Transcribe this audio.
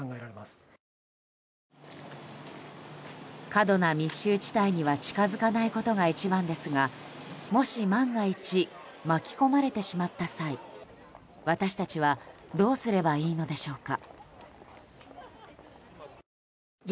過度な密集地帯には近づかないことが一番ですがもし万が一巻き込まれてしまった際私たちはどうすればいいのでしょうか。